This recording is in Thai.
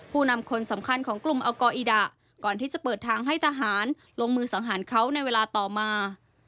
ผู้นำคนสำคัญของกลุ่มอัลกออิดะก่อนที่จะเปิดทางให้ทหารลงมือสังหารเขาในเวลาต่อมา